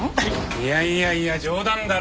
いやいやいや冗談だろ